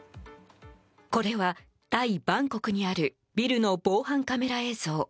これはタイ・バンコクにあるビルの防犯カメラ映像。